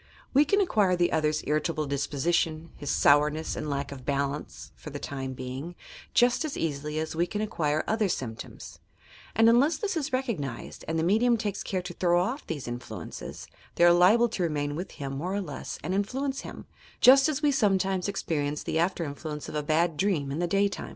We can acquire the other's irritable disposition, his sourness and lack of balance, for the time being, just as easily as we can acquire other symptoms; and unless this is recognized and the medium takes care to throw off these influences, they are liable to remain with him more or less and influence hira — just as we sometimes experience the after influence of a bad dream in the day time.